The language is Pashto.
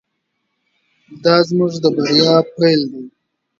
دا زموږ د بریا پیل دی.